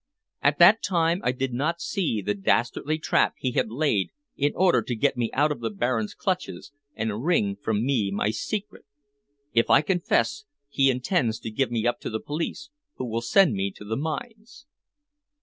At that time I did not see the dastardly trap he had laid in order to get me out of the Baron's clutches and wring from me my secret. If I confess, he intends to give me up to the police, who will send me to the mines."